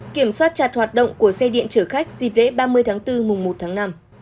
kiểm soát chặt hoạt động của xe điện chở khách dịp lễ ba mươi tháng bốn mùng một tháng năm